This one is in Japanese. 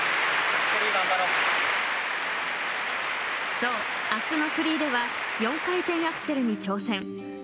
そう、明日のフリーでは４回転アクセルに挑戦。